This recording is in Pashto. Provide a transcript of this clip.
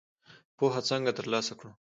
پوهه څنګه تر لاسه کړو؟